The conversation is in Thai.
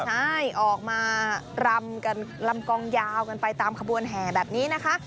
ใช่ออกมารำกันลำกองยาวกันไปตามขบวนแห่แบบนี้นะคะ